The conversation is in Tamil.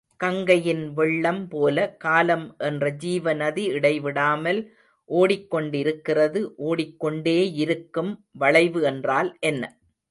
கங்கையின் வெள்ளம் போல, காலம் என்ற ஜீவநதி இடைவிடாமல் ஓடிக் கொண்டிருக்கிறது... ஓடிக் கொண்டேயிருக்கும், வளைவு என்றால் என்ன?